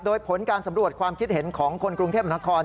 โดยผลการสำรวจความคิดเห็นของคนกรุงเทพฯบรรทศาสตร์